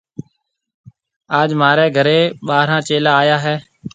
اج مهاريَ گهريَ ٻارهان چيلا آيا هيَ۔